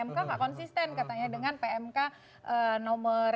mk gak konsisten katanya dengan pmk nomor satu ya